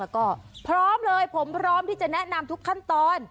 ก็พร้อมเลยผมพร้อมที่จะแนะนำทุกขั้นตอน